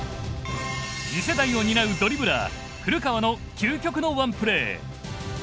次世代を担うドリブラー古川の究極のワンプレー。